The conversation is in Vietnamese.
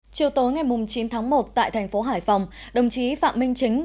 chiều tối ngày chín tháng một tại thành phố hải phòng đồng chí phạm minh chính